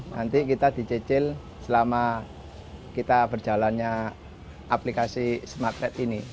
nanti kita dicecil selama kita berjalannya aplikasi smartride ini